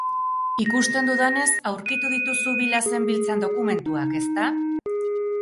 Ikusten dudanez, aurkitu dituzu bila zenbiltzan dokumentuak, ezta?